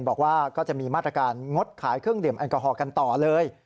บอกว่าก็จะมีมาตรการงดขายเครื่องดื่มแอลกอฮอลกันต่อเลย